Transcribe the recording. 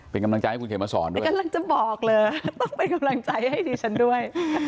เป็นกำลังใจให้คุณเขียนมาสอนด้วยกำลังจะบอกเลยต้องเป็นกำลังใจให้ดิฉันด้วย